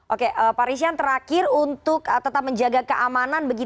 oke pak rishan terakhir untuk tetap menjaga keamanan